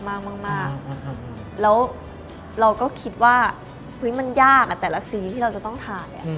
แล้วเราก็คิดว่ามันยากแต่ละซีรีส์ที่เราจะต้องถ่าย